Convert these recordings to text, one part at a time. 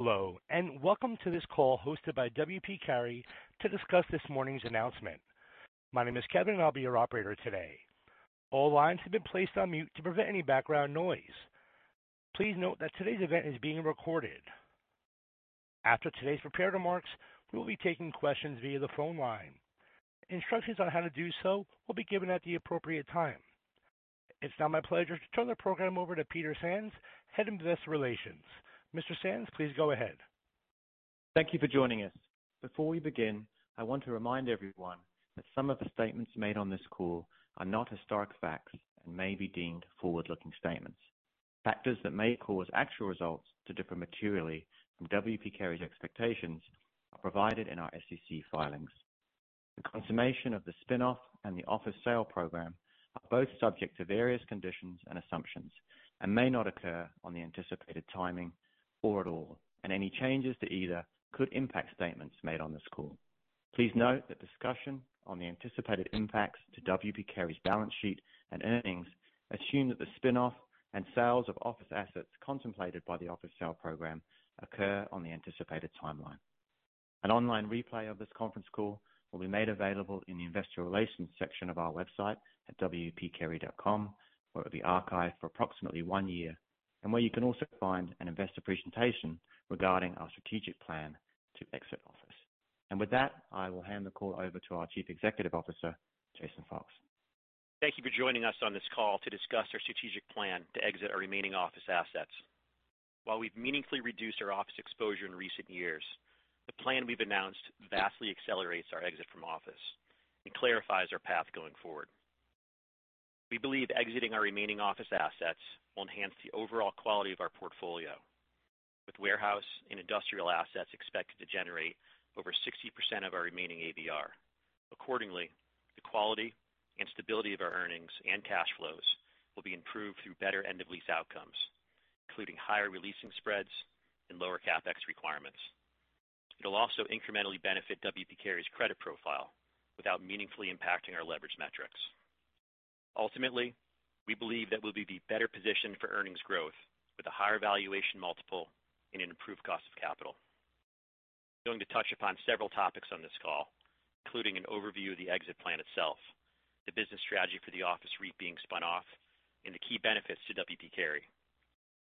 Hello, and welcome to this call hosted by W. P. Carey to discuss this morning's announcement. My name is Kevin, I'll be your operator today. All lines have been placed on mute to prevent any background noise. Please note that today's event is being recorded. After today's prepared remarks, we will be taking questions via the phone line. Instructions on how to do so will be given at the appropriate time. It's now my pleasure to turn the program over to Peter Sands, Head of Investor Relations. Mr. Sands, please go ahead. Thank you for joining us. Before we begin, I want to remind everyone that some of the statements made on this call are not historic facts and may be deemed forward-looking statements. Factors that may cause actual results to differ materially from W. P. Carey's expectations are provided in our SEC filings. The consummation of the spin-off and the office sale program are both subject to various conditions and assumptions and may not occur on the anticipated timing or at all, and any changes to either could impact statements made on this call. Please note that discussion on the anticipated impacts to W. P. Carey's balance sheet and earnings assume that the spin-off and sales of office assets contemplated by the office sale program occur on the anticipated timeline. An online replay of this conference call will be made available in the Investor Relations section of our website at wpcarey.com, where it will be archived for approximately one year, and where you can also find an investor presentation regarding our strategic plan to exit office. With that, I will hand the call over to our Chief Executive Officer, Jason Fox. Thank you for joining us on this call to discuss our strategic plan to exit our remaining office assets. While we've meaningfully reduced our office exposure in recent years, the plan we've announced vastly accelerates our exit from office and clarifies our path going forward. We believe exiting our remaining office assets will enhance the overall quality of our Portfolio, with warehouse and industrial assets expected to generate over 60% of our remaining ABR. Accordingly, the quality and stability of our earnings and cash flows will be improved through better end-of-lease outcomes, including higher re-leasing spreads and lower CapEx requirements. It'll also incrementally benefit W. P. Carey's credit profile without meaningfully impacting our leverage metrics. Ultimately, we believe that we'll be better positioned for earnings growth with a higher valuation multiple and an improved cost of capital. I'm going to touch upon several topics on this call, including an overview of the exit plan itself, the business strategy for the office REIT being spun off, and the key benefits to W. P. Carey.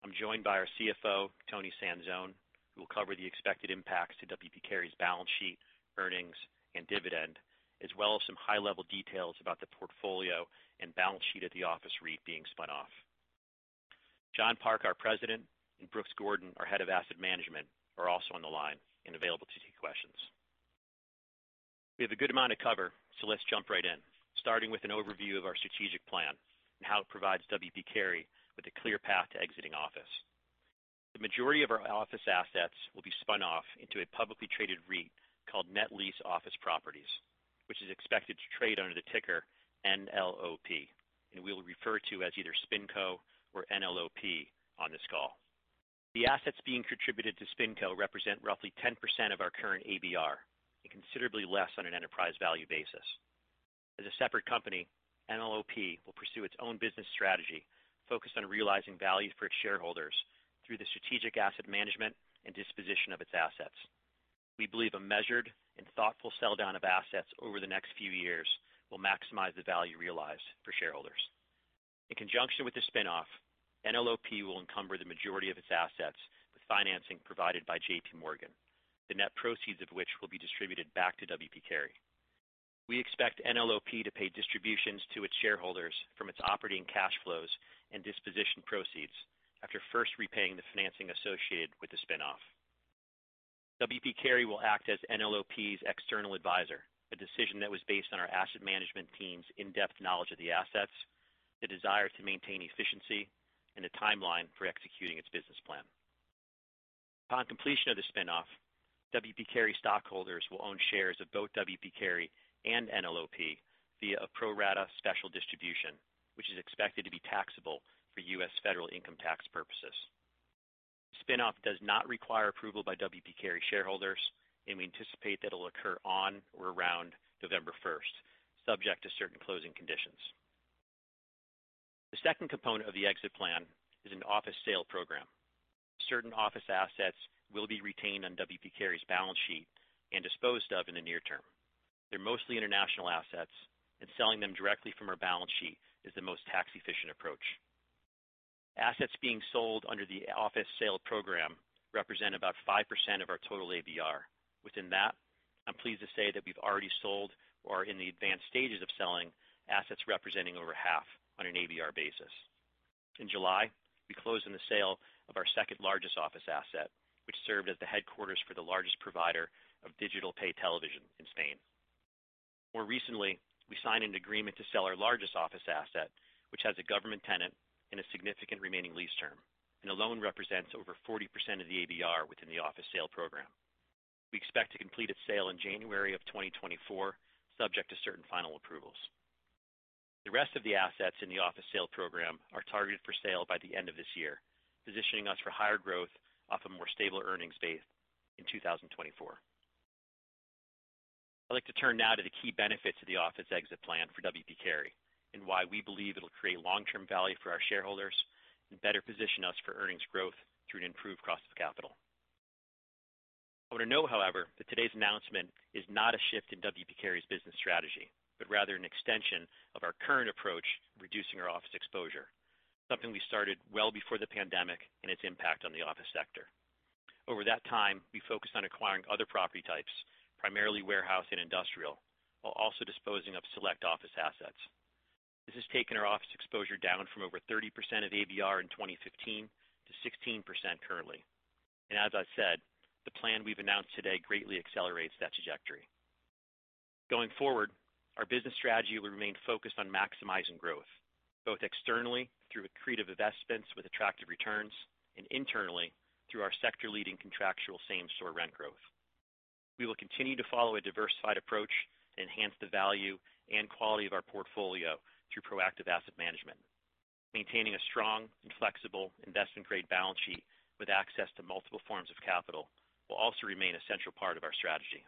I'm joined by our CFO, Toni Sanzone, who will cover the expected impacts to W. P. Carey's balance sheet, earnings, and dividend, as well as some high-level details about the portfolio and balance sheet of the office REIT being spun off. John Park, our President, and Brooks Gordon, our Head of Asset Management, are also on the line and available to take questions. We have a good amount to cover, so let's jump right in, starting with an overview of our strategic plan and how it provides W. P. Carey with a clear path to exiting office. The majority of our office assets will be spun off into a publicly traded REIT called Net Lease Office Properties, which is expected to trade under the ticker NLOP, and we'll refer to as either SpinCo or NLOP on this call. The assets being contributed to SpinCo represent roughly 10% of our current ABR, and considerably less on an enterprise value basis. As a separate company, NLOP will pursue its own business strategy focused on realizing value for its shareholders through the strategic asset management and disposition of its assets. We believe a measured and thoughtful sell down of assets over the next few years will maximize the value realized for shareholders. In conjunction with the spin-off, NLOP will encumber the majority of its assets with financing provided by J.P. Morgan, the net proceeds of which will be distributed back to W. P. Carey. We expect NLOP to pay distributions to its shareholders from its operating cash flows and disposition proceeds after first repaying the financing associated with the spin-off. W. P. Carey will act as NLOP's external advisor, a decision that was based on our asset management team's in-depth knowledge of the assets, the desire to maintain efficiency, and a timeline for executing its business plan. Upon completion of the spin-off, W. P. Carey stockholders will own shares of both W. P. Carey and NLOP via a pro rata special distribution, which is expected to be taxable for U.S. federal income tax purposes. The spin-off does not require approval by W. P. Carey shareholders, and we anticipate that it'll occur on or around November first, subject to certain closing conditions. The second component of the exit plan is an office sale program. Certain Office Assets will be retained on W. P. Carey's balance sheet and disposed of in the near term. They're mostly international assets, and selling them directly from our balance sheet is the most tax-efficient approach. Assets being sold under the office sale program represent about 5% of our total ABR. Within that, I'm pleased to say that we've already sold or are in the advanced stages of selling assets representing over half on an ABR basis. In July, we closed on the sale of our second largest office asset, which served as the headquarters for the largest provider of digital pay television in Spain. More recently, we signed an agreement to sell our largest office asset, which has a government tenant and a significant remaining lease term, and alone represents over 40% of the ABR within the office sale program. We expect to complete its sale in January 2024, subject to certain final approvals. The rest of the assets in the office sale program are targeted for sale by the end of this year, positioning us for higher growth off a more stable earnings base in 2024. I'd like to turn now to the key benefits of the office exit plan for W. P. Carey, and why we believe it'll create long-term value for our shareholders and better position us for earnings growth through an improved cost of capital. I want to note, however, that today's announcement is not a shift in W. P. Carey's business strategy, but rather an extension of our current approach in reducing our office exposure, something we started well before the pandemic and its impact on the office sector. Over that time, we focused on acquiring other property types, primarily warehouse and industrial, while also disposing of select Office Assets. This has taken our office exposure down from over 30% of ABR in 2015 to 16% currently. As I said, the plan we've announced today greatly accelerates that trajectory. Going forward, our business strategy will remain focused on maximizing growth, both externally through accretive investments with attractive returns, and internally through our sector-leading contractual same-store rent growth. We will continue to follow a diversified approach to enhance the value and quality of our portfolio through proactive asset management. Maintaining a strong and flexible investment-grade balance sheet with access to multiple forms of capital will also remain a central part of our strategy.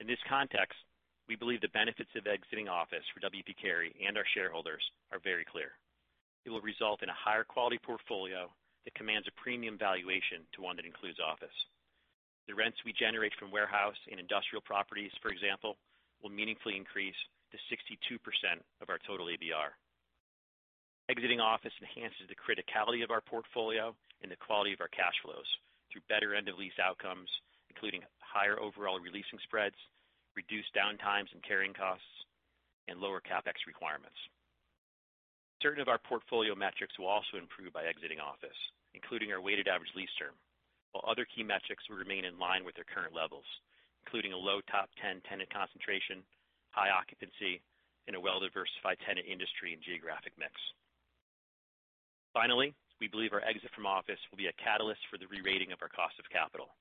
In this context, we believe the benefits of exiting office for W. P. Carey and our shareholders are very clear. It will result in a higher quality portfolio that commands a premium valuation to one that includes office. The rents we generate from warehouse and industrial properties, for example, will meaningfully increase to 62% of our total ABR. Exiting office enhances the criticality of our portfolio and the quality of our cash flows through better end-of-lease outcomes, including higher overall re-leasing spreads, reduced downtimes and carrying costs, and lower CapEx requirements. Certain of our portfolio metrics will also improve by exiting office, including our weighted average lease term, while other key metrics will remain in line with their current levels, including a low top ten tenant concentration, high occupancy, and a well-diversified tenant industry and geographic mix. Finally, we believe our exit from office will be a catalyst for the re-rating of our cost of capital,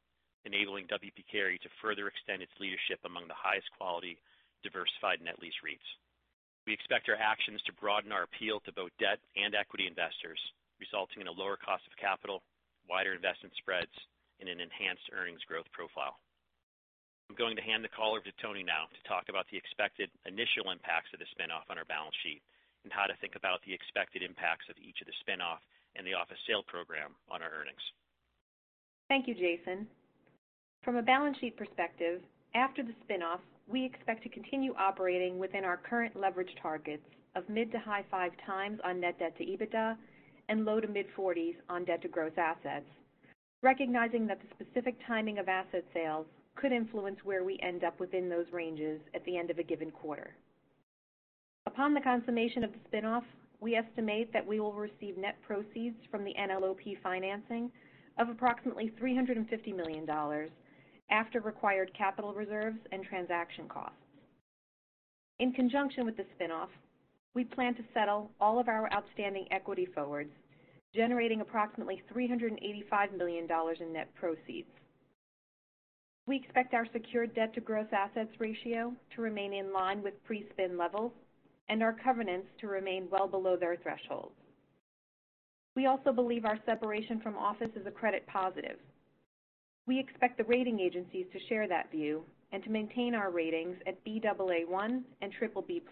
enabling W. P. Carey to further extend its leadership among the highest quality, diversified Net Lease REITs. We expect our actions to broaden our appeal to both debt and equity investors, resulting in a lower cost of capital, wider investment spreads, and an enhanced earnings growth profile. I'm going to hand the call over to Toni now to talk about the expected initial impacts of the spin-off on our balance sheet and how to think about the expected impacts of each of the spin-off and the office sale program on our earnings. Thank you, Jason. From a balance sheet perspective, after the spin-off, we expect to continue operating within our current leverage targets of mid- to high-5x on net debt to EBITDA and low- to mid-40s on debt to gross assets, recognizing that the specific timing of asset sales could influence where we end up within those ranges at the end of a given quarter. Upon the consummation of the spin-off, we estimate that we will receive net proceeds from the NLOP financing of approximately $350 million after required capital reserves and transaction costs. In conjunction with the spin-off, we plan to settle all of our outstanding equity forwards, generating approximately $385 million in net proceeds. We expect our secured debt to gross assets ratio to remain in line with pre-spin levels and our covenants to remain well below their thresholds. We also believe our separation from office is a credit positive. We expect the rating agencies to share that view and to maintain our ratings at Baa1 and BBB+.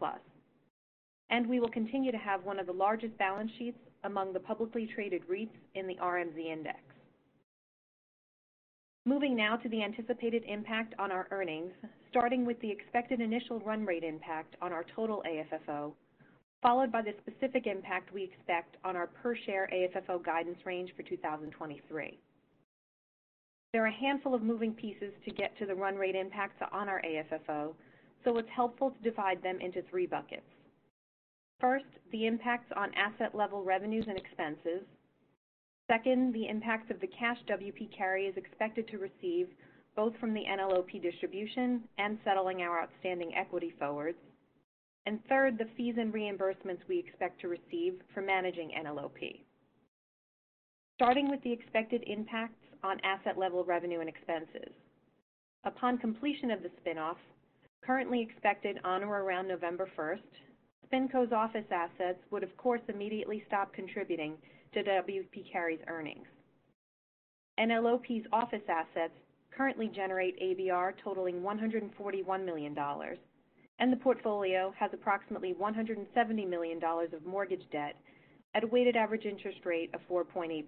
We will continue to have one of the largest balance sheets among the publicly traded REITs in the RMZ Index. Moving now to the anticipated impact on our earnings, starting with the expected initial run rate impact on our total AFFO, followed by the specific impact we expect on our per share AFFO guidance range for 2023. There are a handful of moving pieces to get to the run rate impacts on our AFFO, so it's helpful to divide them into three buckets. First, the impacts on asset-level revenues and expenses. Second, the impacts of the cash W. P. Carey is expected to receive, both from the NLOP distribution and settling our outstanding equity forwards. And third, the fees and reimbursements we expect to receive for managing NLOP. Starting with the expected impacts on asset-level revenue and expenses. Upon completion of the spin-off, currently expected on or around November first, SpinCo's office assets would, of course, immediately stop contributing to W. P. Carey's earnings. NLOP's office assets currently generate ABR totaling $141 million, and the portfolio has approximately $170 million of mortgage debt at a weighted average interest rate of 4.8%.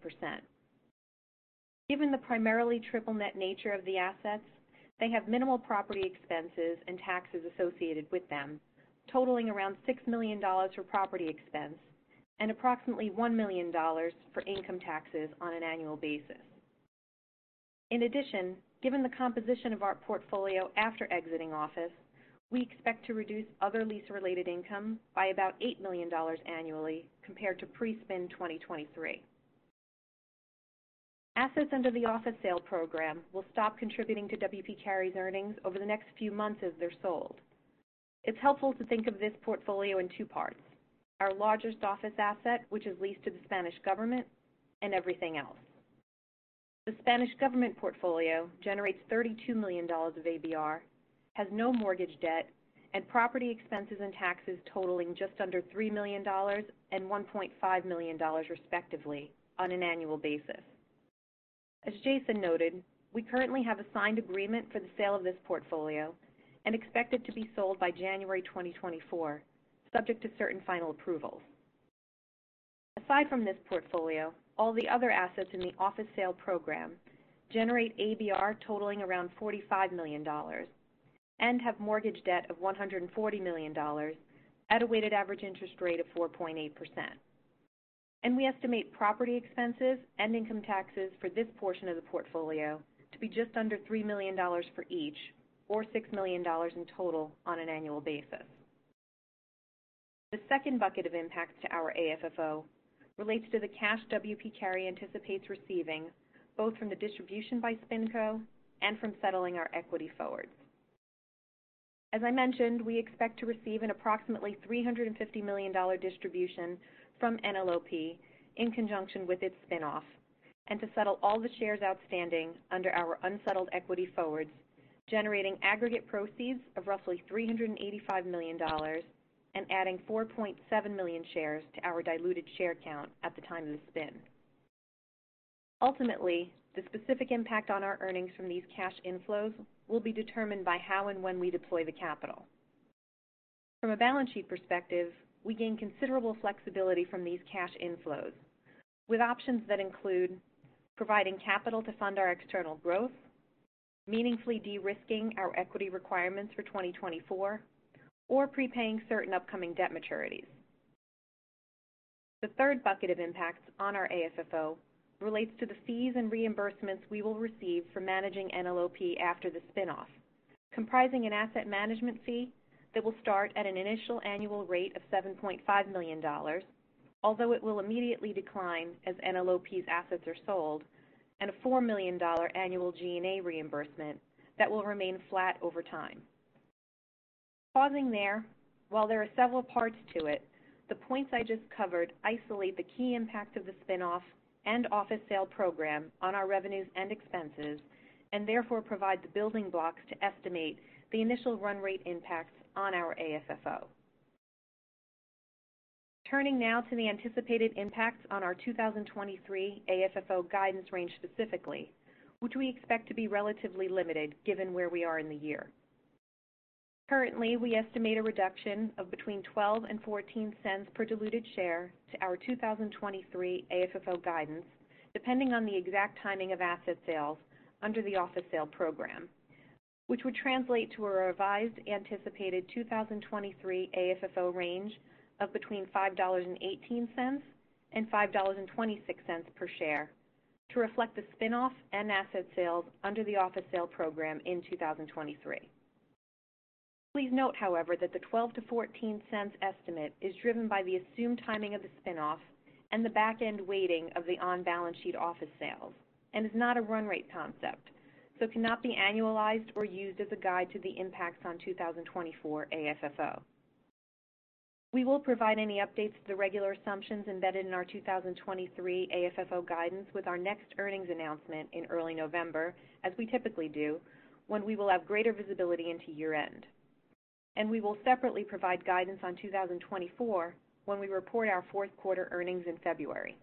Given the primarily Triple Net nature of the assets, they have minimal property expenses and taxes associated with them, totaling around $6 million for property expense and approximately $1 million for income taxes on an annual basis. In addition, given the composition of our portfolio after exiting office, we expect to reduce other lease-related income by about $8 million annually compared to pre-spin 2023. Assets under the office sale program will stop contributing to W. P. Carey’s earnings over the next few months as they're sold. It's helpful to think of this portfolio in two parts: our largest office asset, which is leased to the Spanish Government, and everything else. The Spanish Government portfolio generates $32 million of ABR, has no mortgage debt, and property expenses and taxes totaling just under $3 million and $1.5 million, respectively, on an annual basis. As Jason noted, we currently have a signed agreement for the sale of this portfolio and expect it to be sold by January 2024, subject to certain final approvals. Aside from this portfolio, all the other assets in the office sale program generate ABR totaling around $45 million and have mortgage debt of $140 million at a weighted average interest rate of 4.8%. And we estimate property expenses and income taxes for this portion of the portfolio to be just under $3 million for each, or $6 million in total on an annual basis. The second bucket of impacts to our AFFO relates to the cash W. P. Carey anticipates receiving, both from the distribution by SpinCo and from settling our equity forwards. As I mentioned, we expect to receive an approximately $350 million distribution from NLOP in conjunction with its spin-off, and to settle all the shares outstanding under our unsettled equity forwards, generating aggregate proceeds of roughly $385 million and adding 4.7 million shares to our diluted share count at the time of the spin. Ultimately, the specific impact on our earnings from these cash inflows will be determined by how and when we deploy the capital. From a balance sheet perspective, we gain considerable flexibility from these cash inflows, with options that include providing capital to fund our external growth, meaningfully de-risking our equity requirements for 2024, or prepaying certain upcoming debt maturities. The third bucket of impacts on our AFFO relates to the fees and reimbursements we will receive for managing NLOP after the spin-off, comprising an asset management fee that will start at an initial annual rate of $7.5 million, although it will immediately decline as NLOP's assets are sold, and a $4 million annual G&A reimbursement that will remain flat over time. Pausing there, while there are several parts to it, the points I just covered isolate the key impact of the spin-off and office sale program on our revenues and expenses, and therefore provide the building blocks to estimate the initial run rate impacts on our AFFO. Turning now to the anticipated impacts on our 2023 AFFO guidance range specifically, which we expect to be relatively limited, given where we are in the year. Currently, we estimate a reduction of between $0.12 and $0.14 per diluted share to our 2023 AFFO guidance, depending on the exact timing of asset sales under the office sale program, which would translate to a revised anticipated 2023 AFFO range of between $5.18 and $5.26 per share to reflect the spin-off and asset sales under the office sale program in 2023. Please note, however, that the $0.12-$0.14 estimate is driven by the assumed timing of the spin-off and the back-end weighting of the on-balance sheet office sales and is not a run rate concept, so cannot be annualized or used as a guide to the impacts on 2024 AFFO. We will provide any updates to the regular assumptions embedded in our 2023 AFFO guidance with our next earnings announcement in early November, as we typically do, when we will have greater visibility into year-end. We will separately provide guidance on 2024 when we report our fourth quarter earnings in February.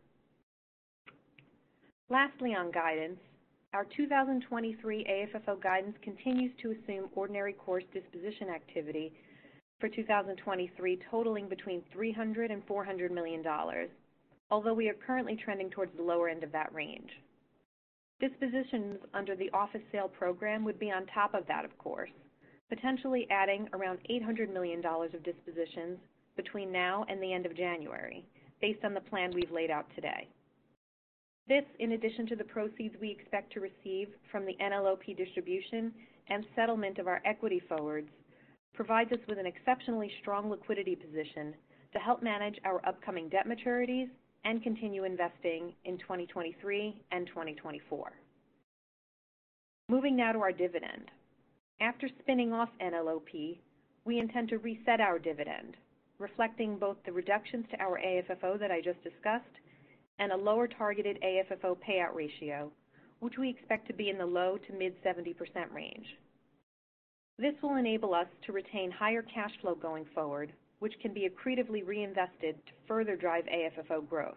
Lastly, on guidance, our 2023 AFFO guidance continues to assume ordinary course disposition activity for 2023, totaling between $300 million and $400 million, although we are currently trending towards the lower end of that range. Dispositions under the office sale program would be on top of that, of course, potentially adding around $800 million of dispositions between now and the end of January, based on the plan we've laid out today. This, in addition to the proceeds we expect to receive from the NLOP distribution and settlement of our equity forwards, provides us with an exceptionally strong liquidity position to help manage our upcoming debt maturities and continue investing in 2023 and 2024. Moving now to our dividend. After spinning off NLOP, we intend to reset our dividend, reflecting both the reductions to our AFFO that I just discussed and a lower targeted AFFO payout ratio, which we expect to be in the low-to-mid 70% range. This will enable us to retain higher cash flow going forward, which can be accretively reinvested to further drive AFFO growth.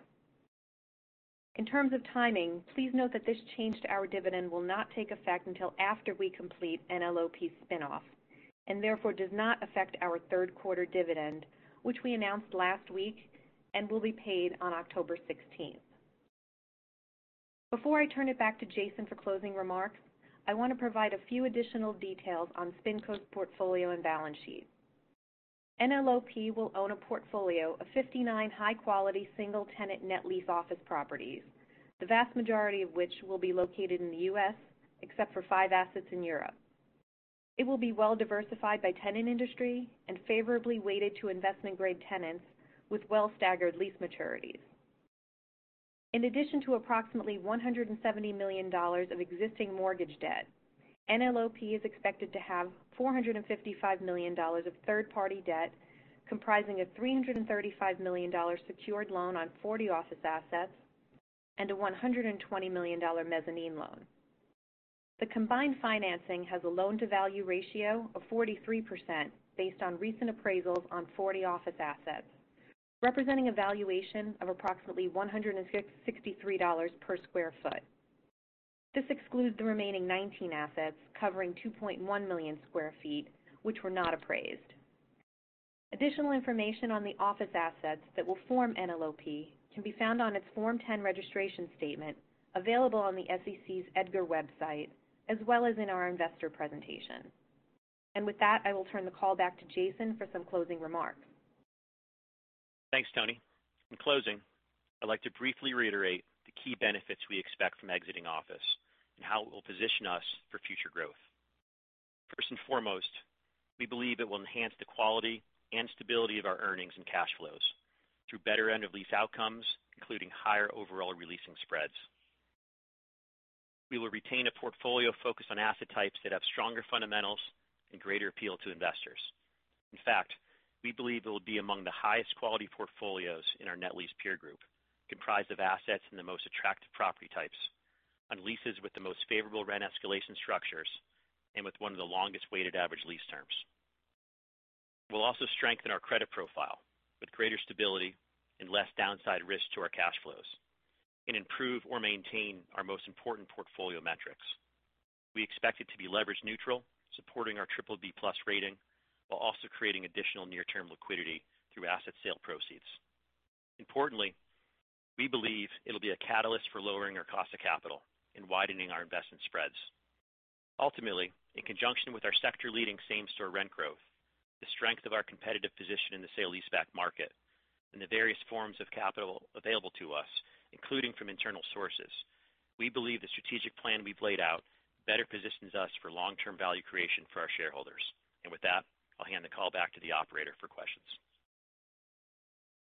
In terms of timing, please note that this change to our dividend will not take effect until after we complete NLOP spin-off, and therefore does not affect our third quarter dividend, which we announced last week and will be paid on October sixteenth. Before I turn it back to Jason for closing remarks, I want to provide a few additional details on SpinCo's Portfolio and Balance Sheet. NLOP will own a portfolio of 59 high-quality, single-tenant net lease office properties, the vast majority of which will be located in the US, except for five assets in Europe. It will be well diversified by tenant industry and favorably weighted to investment-grade tenants with well-staggered lease maturities. In addition to approximately $170 million of existing mortgage debt, NLOP is expected to have $455 million of third-party debt, comprising a $335 million secured loan on 40 office assets and a $120 million mezzanine loan. The combined financing has a loan-to-value ratio of 43% based on recent appraisals on 40 Office Assets, representing a valuation of approximately $163 per sq ft. This excludes the remaining 19 Assets, covering 2.1 million sq ft, which were not appraised. Additional information on the office assets that will form NLOP can be found on its Form 10 registration statement, available on the SEC's EDGAR website, as well as in our investor presentation. And with that, I will turn the call back to Jason for some closing remarks. Thanks, Toni. In closing, I'd like to briefly reiterate the key benefits we expect from exiting office and how it will position us for future growth. First and foremost, we believe it will enhance the quality and stability of our earnings and cash flows through better end-of-lease outcomes, including higher overall re-leasing spreads. We will retain a portfolio focused on asset types that have stronger fundamentals and greater appeal to investors. In fact, we believe it will be among the highest quality portfolios in our net lease peer group, comprised of assets in the most attractive property types, on leases with the most favorable rent escalation structures, and with one of the longest weighted average lease terms. We'll also strengthen our credit profile with greater stability and less downside risk to our cash flows and improve or maintain our most important portfolio metrics. We expect it to be leverage neutral, supporting our BBB+ rating, while also creating additional near-term liquidity through asset sale proceeds. Importantly, we believe it'll be a catalyst for lowering our cost of capital and widening our investment spreads. Ultimately, in conjunction with our sector-leading same-store rent growth, the strength of our competitive position in the sale leaseback market, and the various forms of capital available to us, including from internal sources, we believe the strategic plan we've laid out better positions us for long-term value creation for our shareholders. With that, I'll hand the call back to the operator for questions.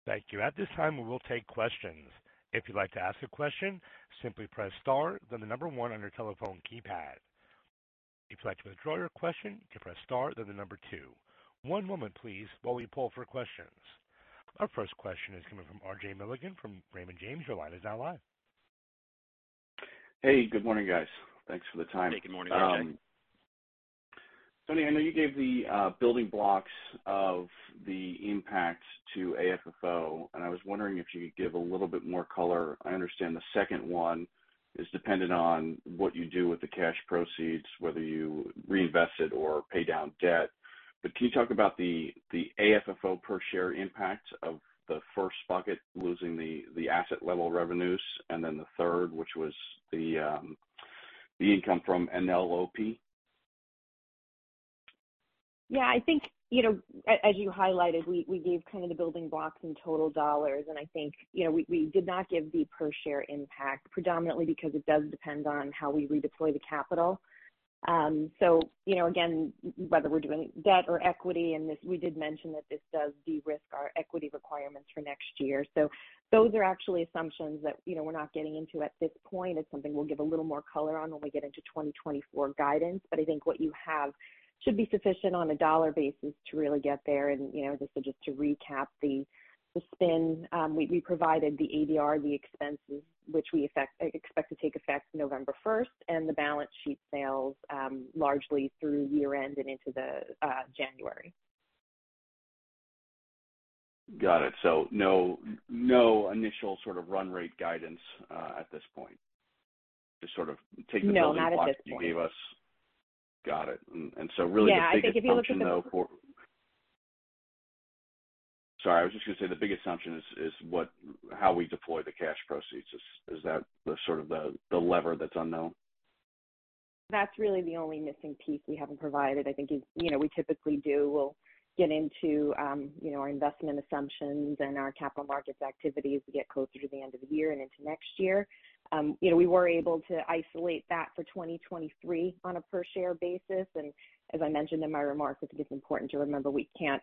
Thank you. At this time, we will take questions. If you'd like to ask a question, simply press star, then the number 1 on your telephone keypad. If you'd like to withdraw your question, you can press star, then the number 2. One moment, please, while we poll for questions. Our first question is coming from RJ Milligan from Raymond James. Your line is now live. Hey, good morning, guys. Thanks for the time. Hey, good morning, RJ. Toni, I know you gave the building blocks of the impact to AFFO, and I was wondering if you could give a little bit more color. I understand the second one is dependent on what you do with the cash proceeds, whether you reinvest it or pay down debt. But can you talk about the AFFO per share impact of the first bucket, losing the asset-level revenues, and then the third, which was the income from NLOP? Yeah, I think, you know, as you highlighted, we gave kind of the building blocks in total dollars, and I think, you know, we did not give the per share impact, predominantly because it does depend on how we redeploy the capital. You know, again, whether we're doing debt or equity, and this, we did mention that this does de-risk our equity requirements for next year. Those are actually assumptions that, you know, we're not getting into at this point. It's something we'll give a little more color on when we get into 2024 guidance. I think what you have should be sufficient on a dollar basis to really get there. You know, just to recap the spin, we provided the ADR, the expenses, which we expect to take effect November first, and the balance sheet sales, largely through year-end and into January. Got it. So no, no initial sort of run rate guidance, at this point? Just sort of take the building blocks- No, not at this point. you gave us. Got it. And, and so really- Yeah, I think if you look at the- Sorry, I was just gonna say, the big assumption is what—how we deploy the cash proceeds. Is that the sort of lever that's unknown? That's really the only missing piece we haven't provided. I think, you know, we typically do. We'll get into, you know, our investment assumptions and our capital markets activities as we get closer to the end of the year and into next year. You know, we were able to isolate that for 2023 on a per share basis. And as I mentioned in my remarks, I think it's important to remember we can't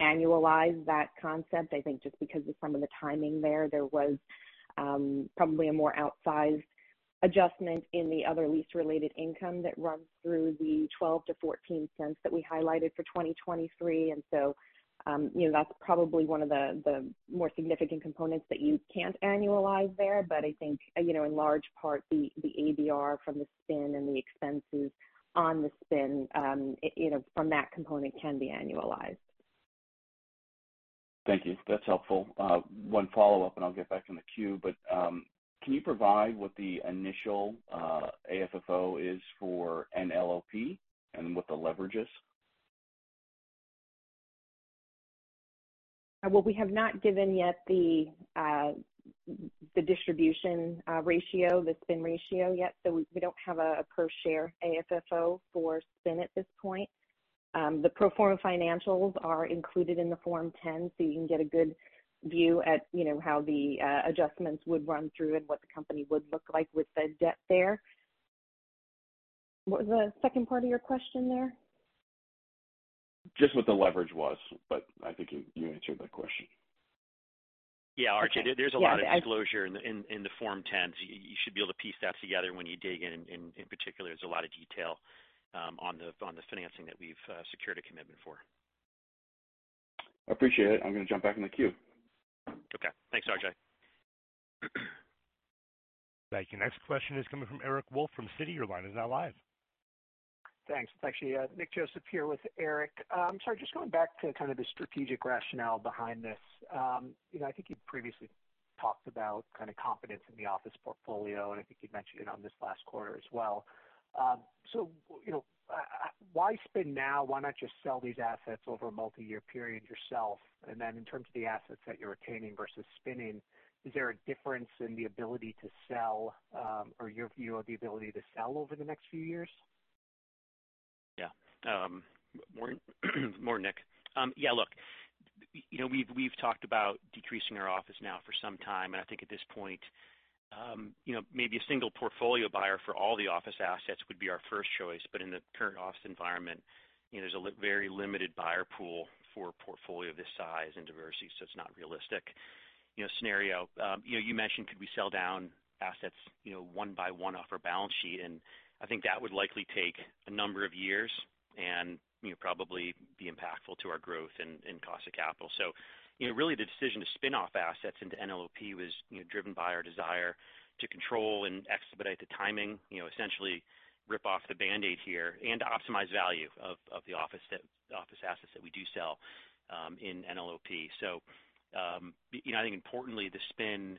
annualize that concept. I think just because of some of the timing there, there was probably a more outsized adjustment in the other lease-related income that runs through the 12-14 cents that we highlighted for 2023. And so, you know, that's probably one of the, the more significant components that you can't annualize there. But I think, you know, in large part, the ABR from the spin and the expenses on the spin, you know, from that component can be annualized. Thank you. That's helpful. One follow-up, and I'll get back in the queue, but can you provide what the initial AFFO is for NLOP and what the leverage is? Well, we have not given yet the, the distribution, ratio, the spin ratio yet, so we don't have a per share AFFO for spin at this point. The pro forma financials are included in the Form 10, so you can get a good view at, you know, how the, adjustments would run through and what the company would look like with the debt there. What was the second part of your question there? Just what the leverage was, but I think you answered that question. Yeah, RJ, there's a lot of disclosure in the Form 10s. You should be able to piece that together when you dig in. In particular, there's a lot of detail on the financing that we've secured a commitment for. I appreciate it. I'm going to jump back in the queue. Okay, thanks, RJ. Thank you. Next question is coming from Eric Wolfe from Citi. Your line is now live. Thanks. It's actually, Nick Joseph here with Eric. Sorry, just going back to kind of the strategic rationale behind this. You know, I think you previously talked about kind of confidence in the office portfolio, and I think you mentioned it on this last quarter as well. So, you know, why spin now? Why not just sell these assets over a multi-year period yourself? And then in terms of the assets that you're retaining versus spinning, is there a difference in the ability to sell, or your view of the ability to sell over the next few years? Yeah. Morning, Nick. Yeah, look, you know, we've talked about decreasing our office now for some time, and I think at this point, you know, maybe a single portfolio buyer for all the office assets would be our first choice. But in the current office environment, you know, there's a very limited buyer pool for a portfolio of this size and diversity, so it's not realistic. You know, scenario, you know, you mentioned could we sell down assets, you know, one by one off our balance sheet, and I think that would likely take a number of years and, you know, probably be impactful to our growth in cost of capital. So, you know, really, the decision to spin off assets into NLOP was, you know, driven by our desire to control and expedite the timing, you know, essentially rip off the Band-Aid here and optimize value of the office assets that we do sell in NLOP. So, you know, I think importantly, the spin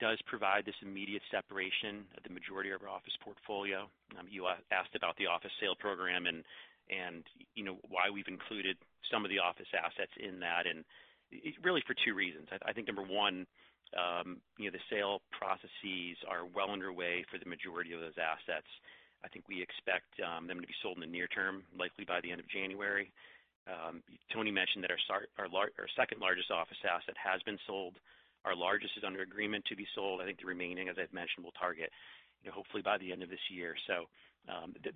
does provide this immediate separation of the majority of our office portfolio. You asked about the office sale program and, and, you know, why we've included some of the office assets in that, and it's really for two reasons. I think number one, you know, the sale processes are well underway for the majority of those assets. I think we expect them to be sold in the near term, likely by the end of January. Tony mentioned that our second largest office asset has been sold. Our largest is under agreement to be sold. I think the remaining, as I've mentioned, we'll target, you know, hopefully by the end of this year. So,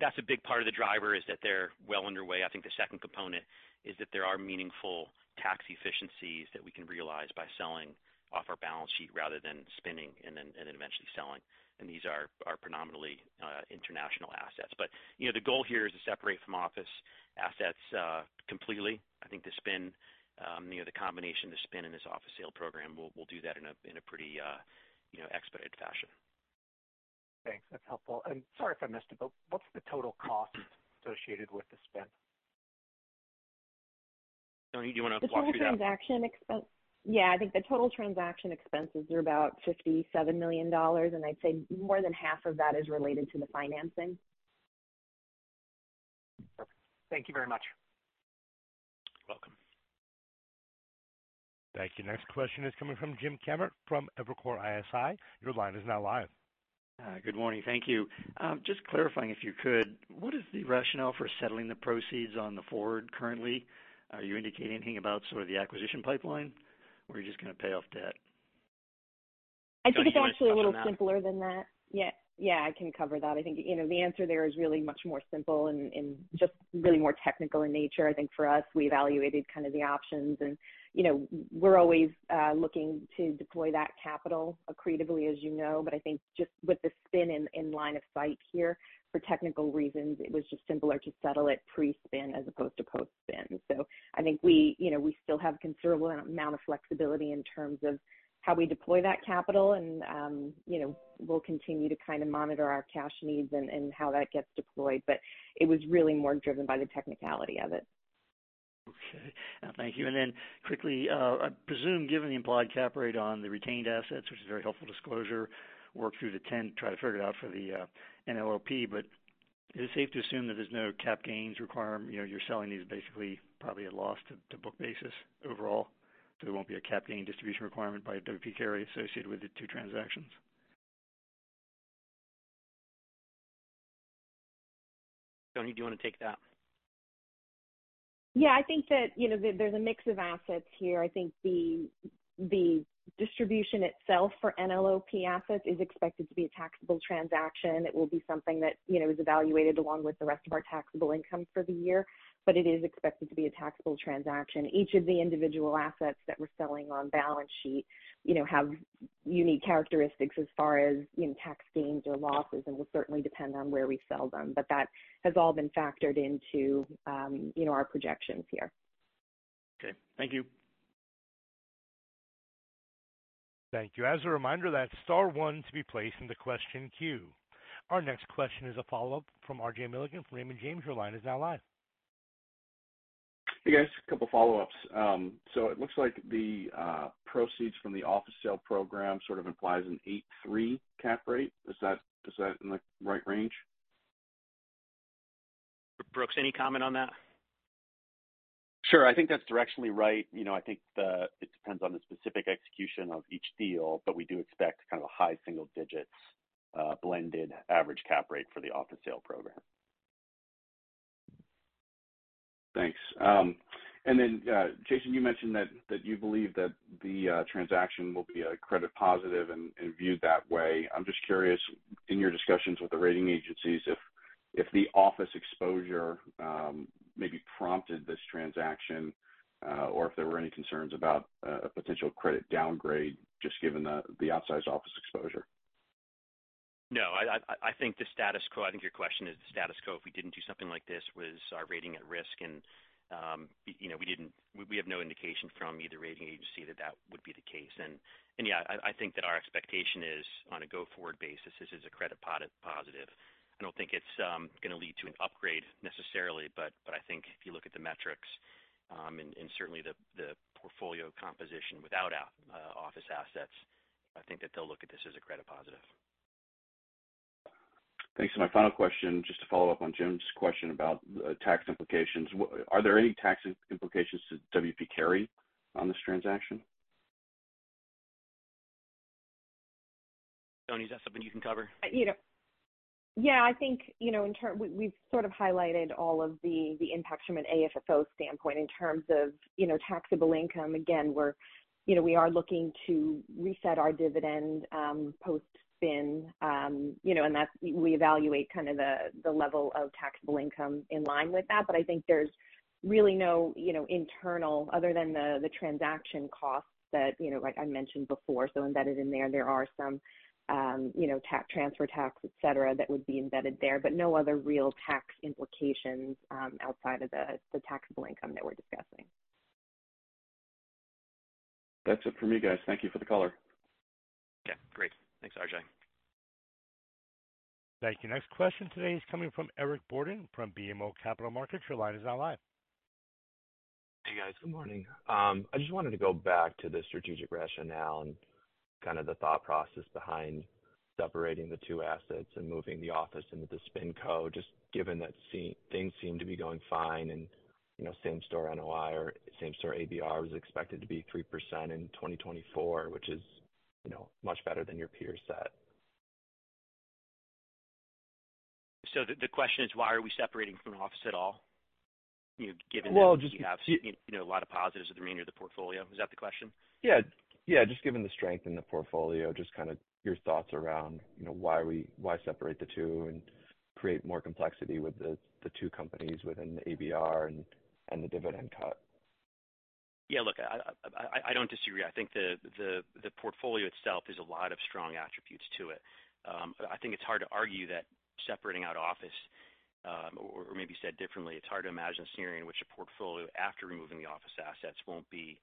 that's a big part of the driver, is that they're well underway. I think the second component is that there are meaningful tax efficiencies that we can realize by selling off our balance sheet rather than spinning and then eventually selling. And these are predominantly international assets. But, you know, the goal here is to separate from office assets completely. I think the spin, you know, the combination, the spin in this office sale program will do that in a pretty expedited fashion. Thanks. That's helpful. Sorry if I missed it, but what's the total cost associated with the spin? Toni, do you want to walk through that? The total transaction expense. Yeah, I think the total transaction expenses are about $57 million, and I'd say more than half of that is related to the financing. Perfect. Thank you very much. Welcome. Thank you. Next question is coming from Jim Kammert from Evercore ISI. Your line is now live. Hi. Good morning. Thank you. Just clarifying, if you could, what is the rationale for settling the proceeds on the forward currently? Are you indicating anything about sort of the acquisition pipeline, or you're just going to pay off debt? Toni, do you want to touch on that? I think it's actually a little simpler than that. Yeah, yeah, I can cover that. I think, you know, the answer there is really much more simple and just really more technical in nature. I think for us, we evaluated kind of the options and, you know, we're always looking to deploy that capital creatively, as you know. But I think just with the spin in line of sight here, for technical reasons, it was just simpler to settle it pre-spin as opposed to post-spin. So I think we, you know, we still have a considerable amount of flexibility in terms of how we deploy that capital, and you know, we'll continue to kind of monitor our cash needs and how that gets deployed. But it was really more driven by the technicality of it. Okay. Thank you. And then quickly, I presume, given the implied cap rate on the retained assets, which is a very helpful disclosure, work through the 10, try to figure it out for the NLOP, but is it safe to assume that there's no cap gains requirement? You know, you're selling these basically, probably at loss to book basis overall, so there won't be a cap gain distribution requirement by W. P. Carey associated with the two transactions. Tony, do you want to take that? Yeah, I think that, you know, there's a mix of assets here. I think the, the distribution itself for NLOP assets is expected to be a taxable transaction. It will be something that, you know, is evaluated along with the rest of our taxable income for the year, but it is expected to be a taxable transaction. Each of the individual assets that we're selling on balance sheet, you know, have unique characteristics as far as, you know, tax gains or losses, and will certainly depend on where we sell them. But that has all been factored into, you know, our projections here. Okay. Thank you. Thank you. As a reminder, that's star one to be placed in the question queue. Our next question is a follow-up from RJ Milligan from Raymond James. Your line is now live. Hey, guys, a couple follow-ups. So it looks like the proceeds from the office sale program sort of implies an 8.3 cap rate. Is that, is that in the right range? Brooks, any comment on that? Sure. I think that's directionally right. You know, I think it depends on the specific execution of each deal, but we do expect kind of a high single digits, blended average cap rate for the office sale program. Thanks. And then, Jason, you mentioned that, that you believe that the transaction will be a credit positive and, and viewed that way. I'm just curious, in your discussions with the rating agencies, if, if the office exposure maybe prompted this transaction, or if there were any concerns about a potential credit downgrade, just given the, the outsized office exposure? ... No, I think the status quo, I think your question is the status quo, if we didn't do something like this, was our rating at risk? And, you know, we have no indication from either rating agency that that would be the case. And, yeah, I think that our expectation is on a go-forward basis, this is a credit positive. I don't think it's gonna lead to an upgrade necessarily, but I think if you look at the metrics, and certainly the portfolio composition without office assets, I think that they'll look at this as a credit positive. Thanks. So my final question, just to follow up on Jim's question about tax implications. Are there any tax implications to W. P. Carey on this transaction? Toni, is that something you can cover? You know... Yeah, I think, you know, in terms we've sort of highlighted all of the impacts from an AFFO standpoint. In terms of, you know, taxable income, again, we're, you know, we are looking to reset our dividend post-spin. You know, and that's we evaluate kind of the level of taxable income in line with that. But I think there's really no, you know, internal other than the transaction costs that, you know, like I mentioned before, so embedded in there, there are some, you know, tax transfer tax, et cetera, that would be embedded there, but no other real tax implications outside of the taxable income that we're discussing. That's it for me, guys. Thank you for the color. Yeah, great. Thanks, RJ. Thank you. Next question today is coming from Eric Borden from BMO Capital Markets. Your line is now live. Hey, guys. Good morning. I just wanted to go back to the strategic rationale and kind of the thought process behind separating the two assets and moving the office into the spin co., just given that things seem to be going fine and, you know, same store NOI or same store ABR is expected to be 3% in 2024, which is, you know, much better than your peer set. So the question is, why are we separating from the office at all? You know, given that- Well, just- you have, you know, a lot of positives of the remainder of the Portfolio. Is that the question? Yeah. Yeah, just given the strength in the portfolio, just kind of your thoughts around, you know, why we--why separate the two and create more complexity with the, the two companies within the ABR and, and the dividend cut? Yeah, look, I don't disagree. I think the portfolio itself has a lot of strong attributes to it. But I think it's hard to argue that separating out office, or maybe said differently, it's hard to imagine a scenario in which a portfolio after removing the office assets won't be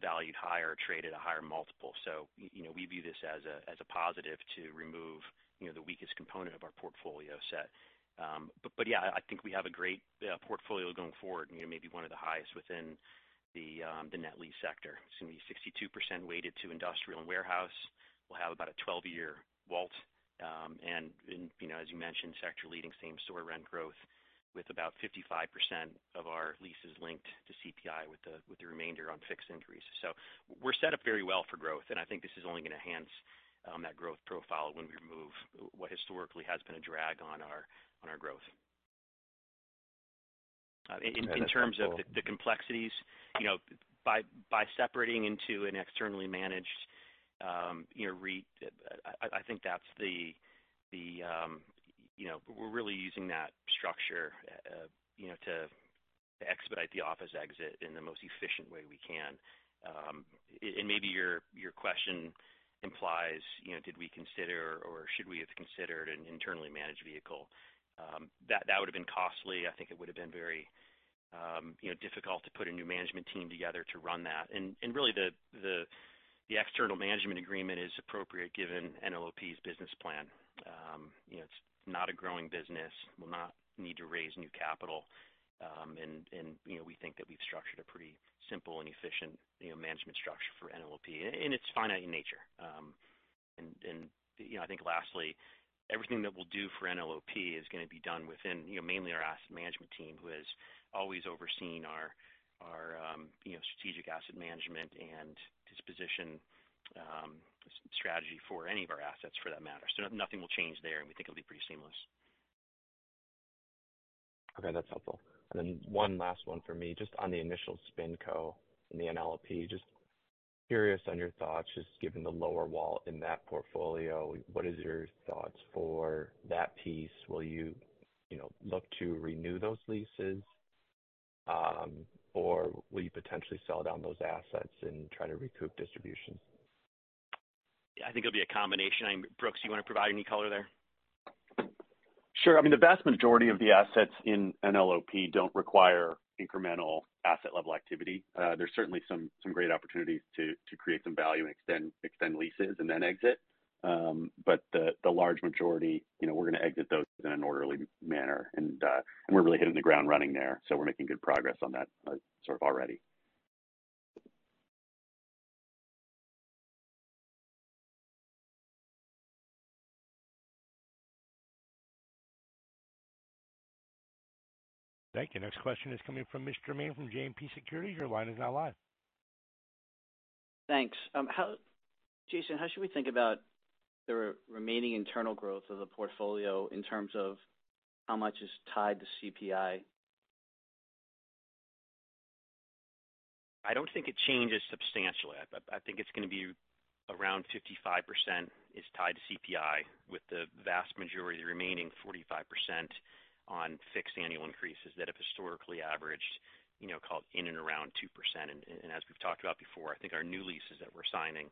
valued higher or traded at a higher multiple. So, you know, we view this as a positive to remove, you know, the weakest component of our portfolio set. But yeah, I think we have a great portfolio going forward, you know, maybe one of the highest within the net lease sector. It's gonna be 62% weighted to industrial and warehouse. We'll have about a 12-year WALT, and, and, you know, as you mentioned, sector-leading same-store rent growth with about 55% of our leases linked to CPI with the remainder on fixed increases. So we're set up very well for growth, and I think this is only going to enhance that growth profile when we remove what historically has been a drag on our growth. Okay, that's helpful. In terms of the complexities, you know, by separating into an externally managed, you know, I think that's the, you know, we're really using that structure, you know, to expedite the office exit in the most efficient way we can. And maybe your question implies, you know, did we consider or should we have considered an internally managed vehicle? That would have been costly. I think it would have been very, you know, difficult to put a new management team together to run that. And really, the external management agreement is appropriate given NLOP's business plan. You know, it's not a growing business, will not need to raise new capital. you know, we think that we've structured a pretty simple and efficient, you know, management structure for NLOP, and it's finite in nature. you know, I think lastly, everything that we'll do for NLOP is gonna be done within, you know, mainly our asset management team, who has always overseen our, you know, strategic asset management and disposition, strategy for any of our assets for that matter. So nothing will change there, and we think it'll be pretty seamless. Okay, that's helpful. And then one last one for me, just on the initial spin co. in the NLOP. Just curious on your thoughts, just given the lower WALT in that portfolio, what is your thoughts for that piece? Will you, you know, look to renew those leases, or will you potentially sell down those assets and try to recoup distributions? I think it'll be a combination. Brooks, do you want to provide any color there? Sure. I mean, the vast majority of the assets in NLOP don't require incremental asset-level activity. There's certainly some great opportunities to create some value and extend leases and then exit. But the large majority, you know, we're gonna exit those in an orderly manner, and we're really hitting the ground running there. So we're making good progress on that, sort of already. Thank you. Next question is coming from Mitch Germain from JMP Securities. Your line is now live. Thanks. Jason, how should we think about the remaining internal growth of the portfolio in terms of how much is tied to CPI? I don't think it changes substantially. I think it's gonna be around 55% is tied to CPI, with the vast majority, the remaining 45% on fixed annual increases that have historically averaged, you know, call it in and around 2%. And as we've talked about before, I think our new leases that we're signing are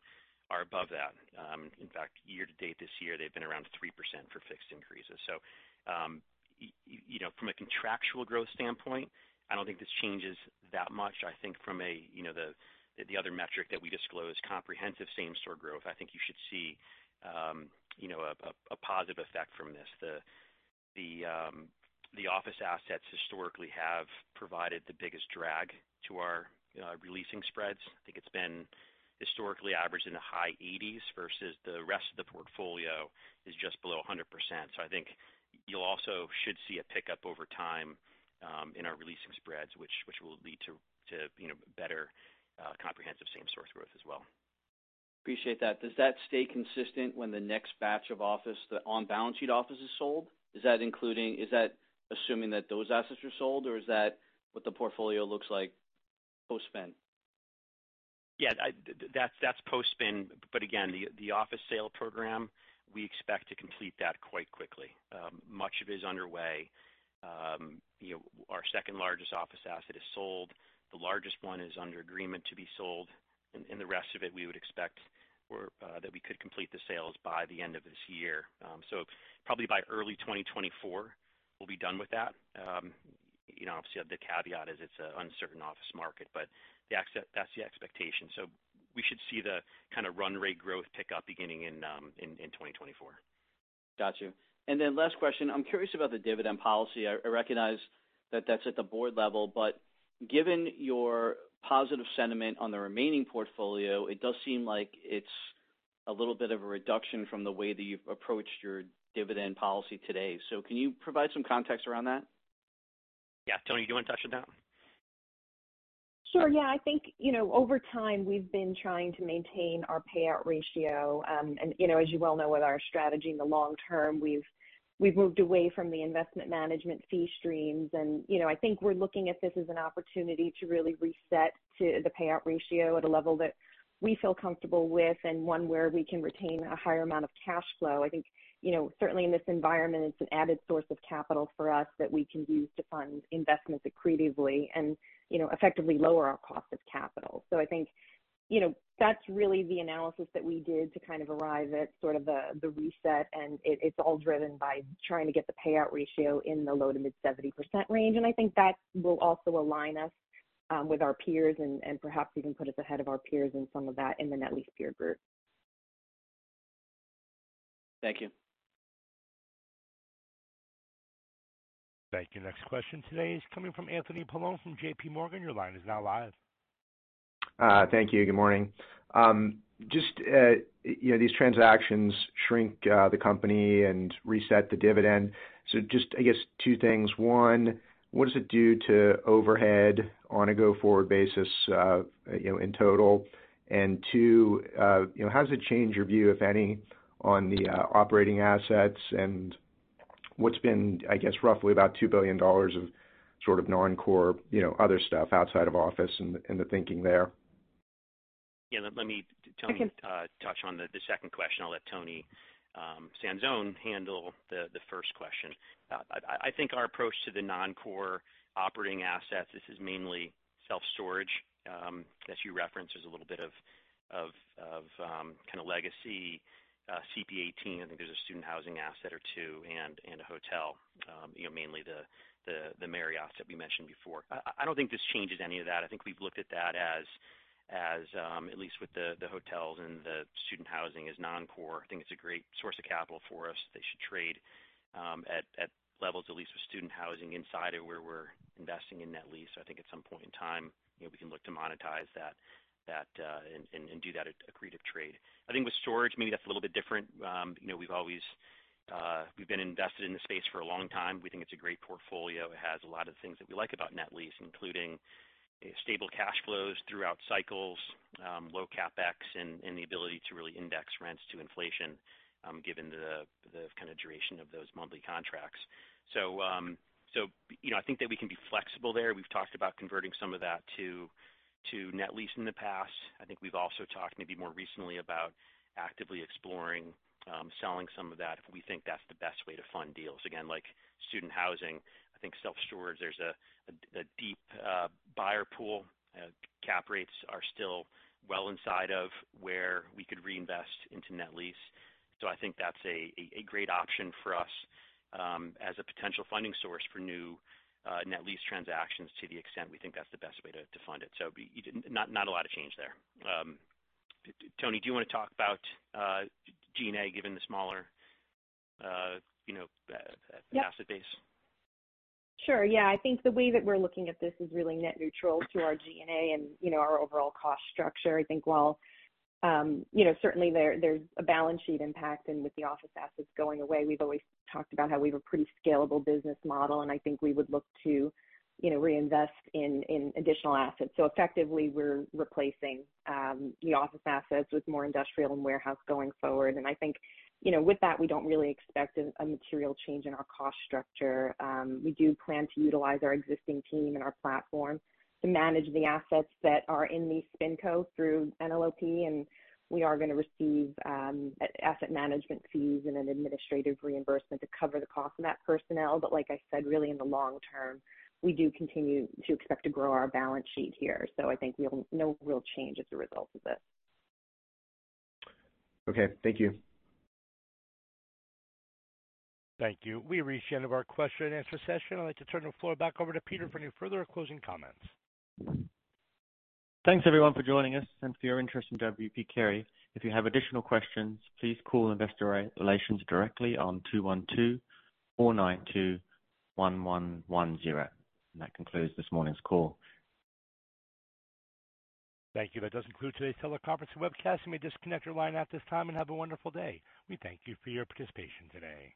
above that. In fact, year-to-date this year, they've been around 3% for fixed increases. So, you know, from a contractual growth standpoint, I don't think this changes that much. I think from a, you know, the other metric that we disclose, comprehensive same-store growth, I think you should see, you know, a positive effect from this. The office assets historically have provided the biggest drag to our re-leasing spreads. I think it's been historically averaged in the high 80s% versus the rest of the portfolio is just below 100%. So I think you also should see a pickup over time in our re-leasing spreads, which will lead to, you know, better comprehensive same-store growth as well. Appreciate that. Does that stay consistent when the next batch of office, the on-balance sheet office, is sold? Is that including, is that assuming that those assets are sold, or is that what the portfolio looks like post-spin? Yes, that's, that's post-spin, but again, the office sale program, we expect to complete that quite quickly. Much of it is underway. You know, our second largest office asset is sold. The largest one is under agreement to be sold, and the rest of it, we would expect that we could complete the sales by the end of this year. So probably by early 2024, we'll be done with that. You know, obviously, the caveat is it's an uncertain office market, but that's the expectation. So we should see the kind of run rate growth pick up beginning in, in 2024. Got you. And then last question. I'm curious about the dividend policy. I, I recognize that that's at the board level, but given your positive sentiment on the remaining portfolio, it does seem like it's a little bit of a reduction from the way that you've approached your dividend policy today. So can you provide some context around that? Yeah. Toni, do you want to touch on that one? Sure. Yeah. I think, you know, over time, we've been trying to maintain our Payout Ratio. And, you know, as you well know, with our strategy in the long term, we've, we've moved away from the investment management fee streams. And, you know, I think we're looking at this as an opportunity to really reset to the payout ratio at a level that we feel comfortable with and one where we can retain a higher amount of cash flow. I think, you know, certainly in this environment, it's an added source of capital for us that we can use to fund investments accretively and, you know, effectively lower our cost of capital. So I think, you know, that's really the analysis that we did to kind of arrive at sort of the reset, and it's all driven by trying to get the payout ratio in the low-to-mid 70% range. And I think that will also align us with our peers and perhaps even put us ahead of our peers in some of that in the Net Lease Peer Group. Thank you. Thank you. Next question today is coming from Anthony Paolone from J.P. Morgan. Your line is now live. Thank you. Good morning. Just, you know, these transactions shrink the company and reset the dividend. So just, I guess, two things. One, what does it do to overhead on a go-forward basis, you know, in total? And two, you know, how does it change your view, if any, on the operating assets and what's been, I guess, roughly about $2 billion of sort of non-core, you know, other stuff outside of office and the thinking there? Yeah, let me, Toni- I can. touch on the second question. I'll let Toni Sanzone handle the first question. I think our approach to the non-core operating assets, this is mainly self-storage that you referenced, there's a little bit of kind of legacy CPA:18. I think there's a student housing asset or two and a hotel, you know, mainly the Marriott that we mentioned before. I don't think this changes any of that. I think we've looked at that as at least with the hotels and the student housing as non-core. I think it's a great source of capital for us. They should trade at levels at least with student housing inside of where we're investing in net lease. So I think at some point in time, you know, we can look to monetize that and do that accretive trade. I think with storage, maybe that's a little bit different. You know, we've always been invested in the space for a long time. We think it's a great portfolio. It has a lot of things that we like about net lease, including stable cash flows throughout cycles, low CapEx, and the ability to really index rents to inflation, given the kind of duration of those monthly contracts. So, you know, I think that we can be flexible there. We've talked about converting some of that to net lease in the past. I think we've also talked maybe more recently about actively exploring selling some of that if we think that's the best way to fund deals. Again, like student housing, I think self-storage, there's a deep buyer pool. Cap rates are still well inside of where we could reinvest into net lease. So I think that's a great option for us as a potential funding source for new net lease transactions to the extent we think that's the best way to fund it. So be- not a lot of change there. Toni, do you want to talk about G&A, given the smaller you know asset base? Sure. Yeah. I think the way that we're looking at this is really net neutral to our G&A and, you know, our overall cost structure. I think while, you know, certainly there, there's a balance sheet impact, and with the office assets going away, we've always talked about how we have a pretty scalable business model, and I think we would look to, you know, reinvest in additional assets. So effectively, we're replacing the office assets with more industrial and warehouse going forward. And I think, you know, with that, we don't really expect a material change in our cost structure. We do plan to utilize our existing team and our platform to manage the assets that are in the spin co through an NLOP, and we are going to receive asset management fees and an administrative reimbursement to cover the cost of that personnel. But like I said, really, in the long term, we do continue to expect to grow our balance sheet here. So I think we have no real change as a result of this. Okay. Thank you. Thank you. We've reached the end of our question-and-answer session. I'd like to turn the floor back over to Peter for any further closing comments. Thanks, everyone, for joining us and for your interest in W. P. Carey. If you have additional questions, please call investor relations directly on 212-492-1110. That concludes this morning's call. Thank you. That does conclude today's teleconference and webcast. You may disconnect your line at this time and have a wonderful day. We thank you for your participation today.